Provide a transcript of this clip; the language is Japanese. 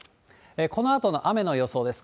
このあとの雨の予想です。